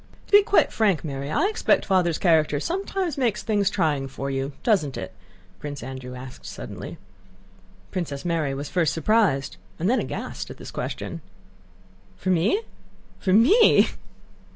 "To be quite frank, Mary, I expect Father's character sometimes makes things trying for you, doesn't it?" Prince Andrew asked suddenly. Princess Mary was first surprised and then aghast at this question. "For me? For me?...